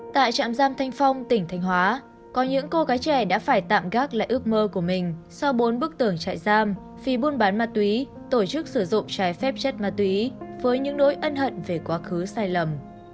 tại trạm giam thanh phong tỉnh thanh hóa có những cô gái trẻ đã phải tạm gác lại ước mơ của mình sau bốn bức tường chạy giam vì buôn bán ma túy tổ chức sử dụng trái phép chất ma túy với những nỗi ân hận về quá khứ sai lầm